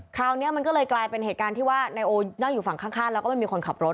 คราวนี้มันก็เลยกลายเป็นเหตุการณ์ที่ว่านายโอนั่งอยู่ฝั่งข้างแล้วก็ไม่มีคนขับรถ